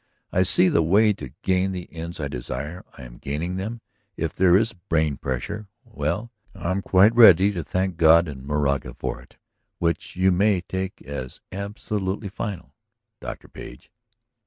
I see the way to gain the ends I desire; I am gaining them; if there is a brain pressure, well, I'm quite ready to thank God and Moraga for it! Which you may take as absolutely final, Dr. Page!"